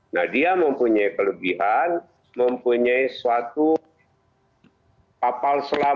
nah dia mempunyai kelebihan mempunyai suatu kapal selam